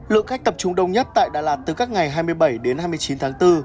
lượng khách tập trung đông nhất tại đà lạt từ các ngày hai mươi bảy đến hai mươi chín tháng bốn